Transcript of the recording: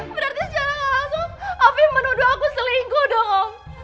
berarti secara langsung afif menuduh aku selingkuh dong om